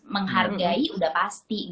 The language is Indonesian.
menghargai udah pasti